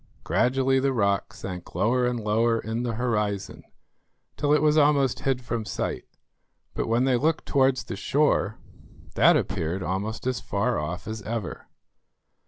Gradually the rock sank lower and lower in the horizon, till it was almost hid from sight; but when they looked towards the shore, that appeared almost as far off as ever.